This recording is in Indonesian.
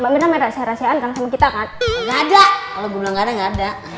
enggak ada enggak ada enggak ada